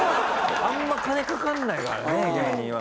あまり金かからないからね芸人は。